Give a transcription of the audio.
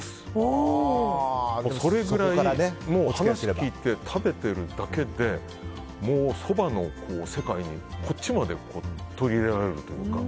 それぐらい、話聞いてて食べてるだけでもう、そばの世界にこっちまで取り入れられるというか。